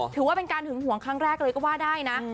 ถือว่าเป็นการหึงห่วงครั้งแรกเลยก็ว่าได้นะ